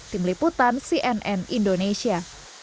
tim liputan cnn indonesia